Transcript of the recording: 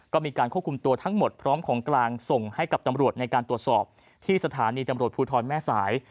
ก็มีการควบคุมตัวทั้งหมดพร้อมของกลางส่งให้กับตำรวจในการตรวจสอบที่สถานีตำรวจภูทรแม่สาย